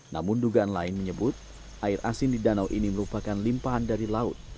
namun dugaan lain menyebut air asin di danau ini merupakan limpahan dari laut